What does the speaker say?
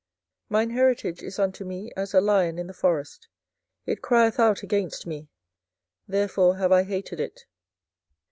24:012:008 Mine heritage is unto me as a lion in the forest; it crieth out against me: therefore have I hated it.